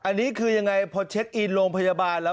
อันนี้คือยังไงพอเช็คอินโรงพยาบาลแล้ว